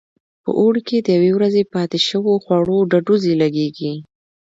په اوړي کې د یوې ورځې پاتې شو خوړو ډډوزې لګېږي.